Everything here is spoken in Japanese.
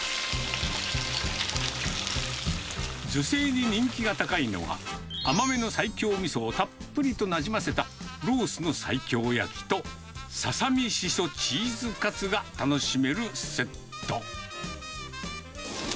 女性に人気が高いのは、甘めの西京みそをたっぷりとなじませたロースの西京焼きとささみシソチーズカツが楽しめるセット。